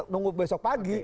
nunggu besok pagi